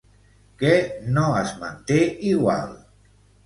Què no es manté igual?